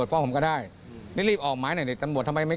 ถึงไม่ยอมออกหมายเรียกผมซักที